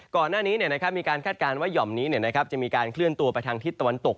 ก่อนหน้านี้เนี่ยนะครับมีการคาดการณ์ว่าหย่อมนี้เนี่ยนะครับจะมีการเคลื่อนตัวไปทางทิศตะวันตก